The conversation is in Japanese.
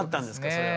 それは。